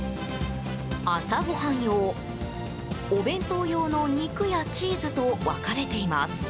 朝ごはん用、お弁当用の肉やチーズと分かれています。